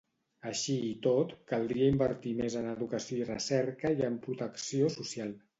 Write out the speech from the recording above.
Així i tot, caldria invertir més en educació i recerca i en protecció social.